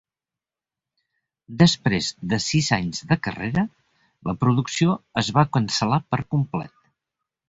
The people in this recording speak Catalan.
Després de sis anys de carrera, la producció es va cancel·lar per complet.